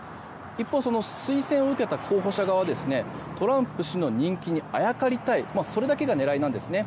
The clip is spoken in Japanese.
一方、推薦を受けた候補者側はトランプ氏の人気にあやかりたいそれだけが狙いなんですね。